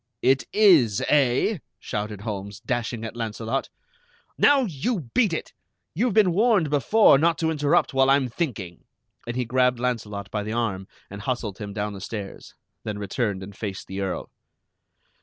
"It is, eh?" shouted Holmes, dashing at Launcelot. "Now, you beat it! You've been warned before not to interrupt while I'm thinking." And he grabbed Launcelot by the arm and hustled him down the stairs, then returned and faced the Earl.